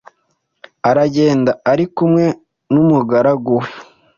aragenda ari kumwe n’umugaragu we